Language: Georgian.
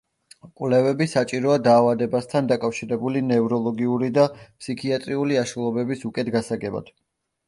კვლევები საჭიროა დაავადებასთან დაკავშირებული ნევროლოგიური და ფსიქიატრიული აშლილობების უკეთ გასაგებად.